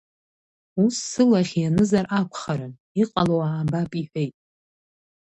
Ус сылахь ианызар акәхарын, иҟало аабап, – иҳәеит.